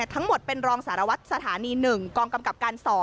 ทั้งหมดเป็นรองสารวัตรสถานี๑กองกำกับการ๒